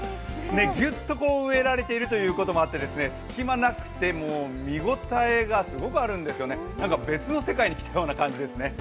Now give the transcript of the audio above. ギュッと植えられているということもあって隙間なくて見応えがすごくあるんですよねなんか別の世界に来た感じですね。